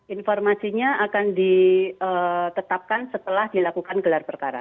informasinya akan ditetapkan setelah dilakukan gelar perkara